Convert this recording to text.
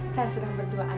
saya sedang berduaan